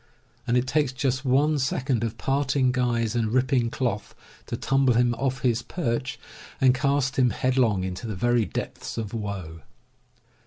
And it takes just one second of parting guys and ripping cloth to tumble him off his perch and cast him headlong into the very depths of woe.